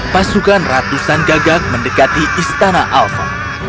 pasukan ratusan gagak mendekati istana alfa